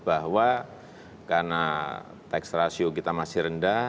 bahwa karena teks rasio kita masih rendah